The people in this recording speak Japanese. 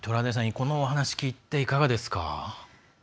このお話聞いていかがですか？